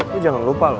lo jangan lupa loh